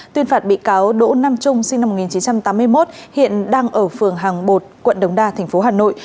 tuyên phạt bị cáo đỗ nam trung sinh năm một nghìn chín trăm tám mươi một hiện đang ở phường hàng bột quận đồng đa thành phố hà nội